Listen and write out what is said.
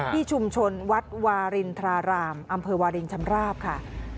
ที่ชุมชนวัดวารินทรารามอำเภอวารินชำราบค่ะ